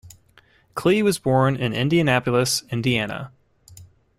Klee was born in Indianapolis, Indiana.